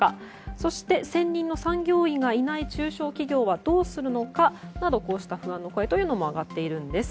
そして、専任の産業医がいない中小企業はどうするのかなどこうした不安の声というのも上がっているんです。